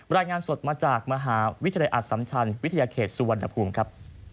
รายงานสดมาจากมหาวิทยาลัยอสัมชันวิทยาเขตสุวรรณภูมิครับ